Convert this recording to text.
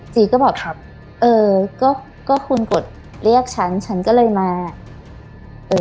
จีก็บอกครับเออก็ก็คุณกดเรียกฉันฉันก็เลยมาเออ